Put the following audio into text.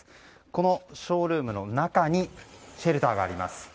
このショールームの中にシェルターがあります。